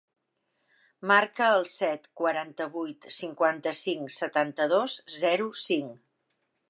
Marca el set, quaranta-vuit, cinquanta-cinc, setanta-dos, zero, cinc.